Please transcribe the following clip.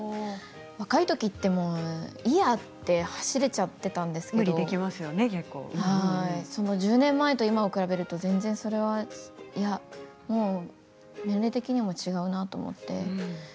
若い時って、もういいやって走れちゃっていたんですけれど１０年前と今を比べると全然それは年齢的にも違うなと思って。